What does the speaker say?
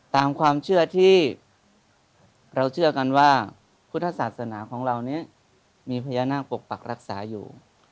ตามความเชื่อที่เราเชื่อกันว่าพุทธศาสนาของเรานี้มีพญานาคปกปักรักษาอยู่